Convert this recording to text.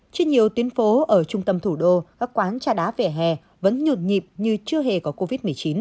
trên nhiều tuyến phố ở trung tâm thủ đô các quán trà đá vỉa hè vẫn nhộn nhịp như chưa hề có covid một mươi chín